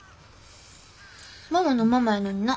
ママのママやのにな。